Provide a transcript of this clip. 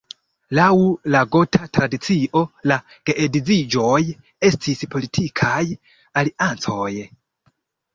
Laŭ la gota tradicio, la geedziĝoj estis politikaj aliancoj.